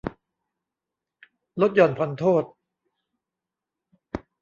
ลดหย่อนผ่อนโทษ